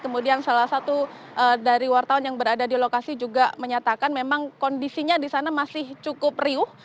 kemudian salah satu dari wartawan yang berada di lokasi juga menyatakan memang kondisinya di sana masih cukup riuh